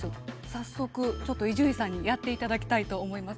早速ちょっと伊集院さんにやって頂きたいと思います。